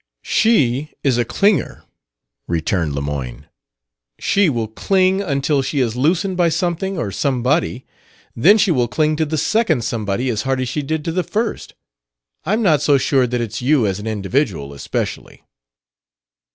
"She is a clinger," returned Lemoyne. "She will cling until she is loosened by something or somebody. Then she will cling to the second somebody as hard as she did to the first. I'm not so sure that it's you as an individual especially."